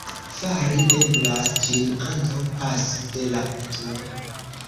Fari eblas ĝin antaŭ paso de la tn.